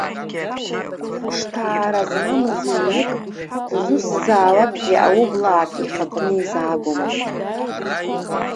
Хәышҭаара змамыз ҩнык, дызусҭазаалакгьы аублаак ихаҟны изаагомызт.